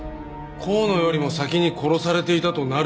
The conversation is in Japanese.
香野よりも先に殺されていたとなると。